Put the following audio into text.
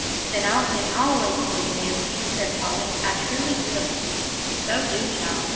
"Then I'll sing always for you, Mamsie," said Polly; "I truly will." "So do, child.